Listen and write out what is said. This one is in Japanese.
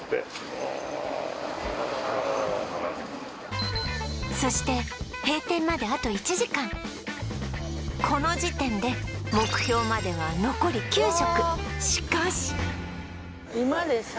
うんそして閉店まであと１時間この時点で目標までは残り９食